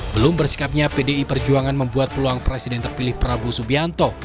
belum bersikapnya pdi perjuangan membuat peluang presiden terpilih prabowo subianto